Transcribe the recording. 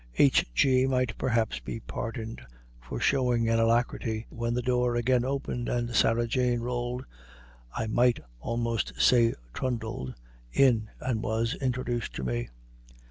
H. G. might perhaps be pardoned for showing an alacrity when the door again opened and Sarah Jane rolled I might almost say trundled in, and was introduced to me.